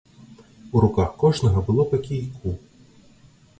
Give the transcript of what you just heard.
У руках кожнага было па кійку.